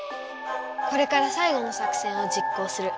これからさいごの作戦を実行する。